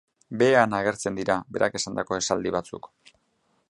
Behean agertzen dira berak esandako esaldi batzuk.